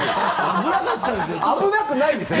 危なかったですよ。